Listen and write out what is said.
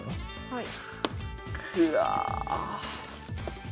はい。